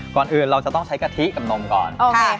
ก่อนอื่นเราจะต้องใช้กะทิกับนมก่อน